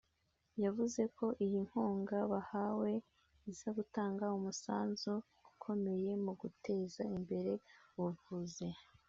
yavuze ko iyi nkunga bahawe iza gutanga umusanzu ukomeye mu guteza imbere ubuvuzi